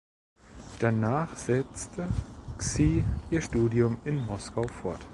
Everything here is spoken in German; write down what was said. Danach setzte Xie ihr Studium in Moskau fort.